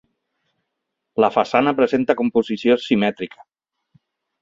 La façana presenta composició simètrica.